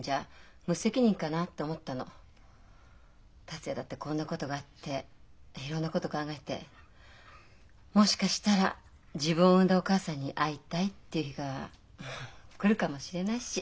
達也だってこんなことがあっていろんなこと考えてもしかしたら自分を産んだお母さんに会いたいって言う日が来るかもしれないし。